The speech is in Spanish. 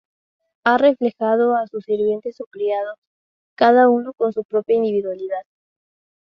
Ha reflejado a sus sirvientes o criados, cada uno con su propia individualidad.